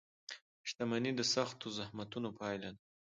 • شتمني د سختو زحمتونو پایله ده.